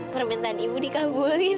permintaan ibu dikabulin